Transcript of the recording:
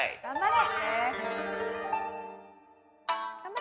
頑張れ！